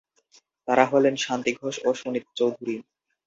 তারা হলেন শান্তি ঘোষ ও সুনীতি চৌধুরী।